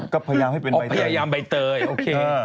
ก็พยายามให้เป็นใบเตยพยายามใบเตยโอเค